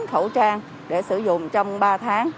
chín khẩu trang để sử dụng trong ba tháng